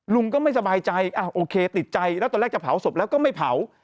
ลุงก็ไม่สบายใจโอเคติดใจแล้วตอนแรกจะเผาศพแล้วก็ไม่เผา